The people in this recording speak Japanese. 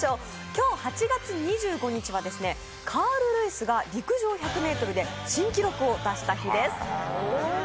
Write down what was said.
今日８月２５日はカール・ルイスが陸上１００ｍで新記録を出した日です。